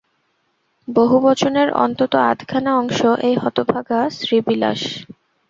বহুবচনের অন্তত আধখানা অংশ এই হতভাগা শ্রীবিলাস।